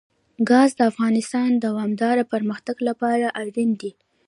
ګاز د افغانستان د دوامداره پرمختګ لپاره اړین دي.